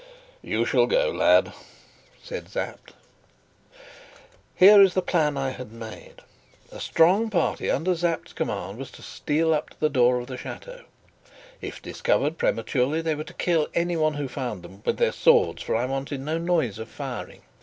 "You shall go, lad," said Sapt. Here is the plan I had made. A strong party under Sapt's command was to steal up to the door of the chateau. If discovered prematurely, they were to kill anyone who found them with their swords, for I wanted no noise of firing.